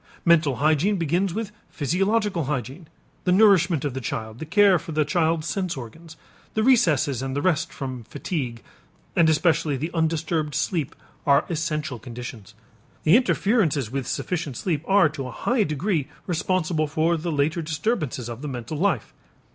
Mental hygiene begins with physiological hygiene. The nourishment of the child, the care for the child's sense organs, the recesses and the rest from fatigue, and especially the undisturbed sleep are essential conditions. The interferences with sufficient sleep are to a high degree responsible for the later disturbances of the mental life.